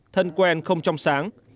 thân quen không trong sáng